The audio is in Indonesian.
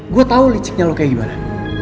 gue tau liciknya lo kayak gimana